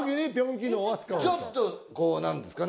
ちょっとこう何ですかね